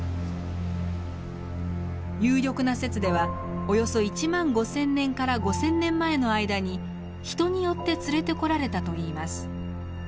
有力な説ではおよそ１万５，０００年５，０００年前の間に人によって連れてこられたといいます。